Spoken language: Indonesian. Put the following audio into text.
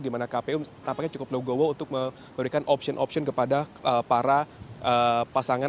di mana kpu tampaknya cukup legowo untuk memberikan option option kepada para pasangan